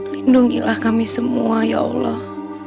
lindungilah kami semua ya allah